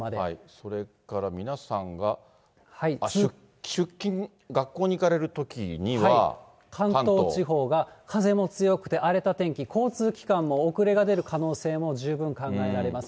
それから皆さんが、出勤、関東地方が風も強くて、荒れた天気、交通機関も遅れが出る可能性も十分考えられます。